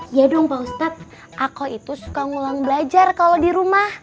iya dong pak ustadz aku itu suka ngulang belajar kalau di rumah